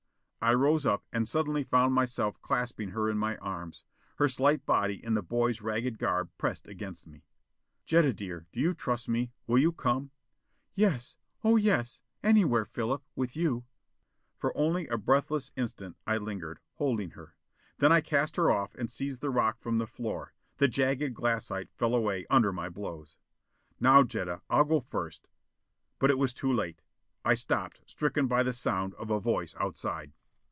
I rose up, and suddenly found myself clasping her in my arms; her slight body in the boy's ragged garb pressed against me. "Jetta, dear, do you trust me? Will you come?" "Yes. Oh, yes anywhere, Philip, with you." For only a breathless instant I lingered, holding her. Then I cast her off and seized the rock from the floor. The jagged glassite fell away under my blows. "Now, Jetta. I'll go first " But it was too late! I stopped, stricken by the sound of a voice outside!